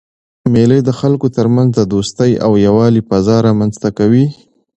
مېلې د خلکو ترمنځ د دوستۍ او یووالي فضا رامنځ ته کوي.